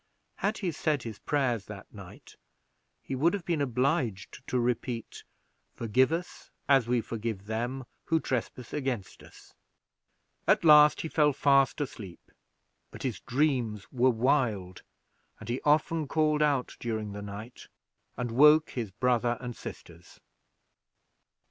Had he said his prayers that night he would have been obliged to repeat, "Forgive us as we forgive them who trespass against us." At last, he fell fast asleep, but his dreams were wild, and he often called out during the night and woke his brother and sisters.